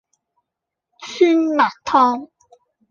酸辣湯